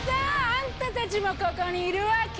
あんたたちもここにいるわけ？